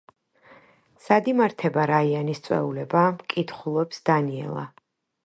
სად იმართება რაიანის წვეულება? – კითხულობს დანიელა.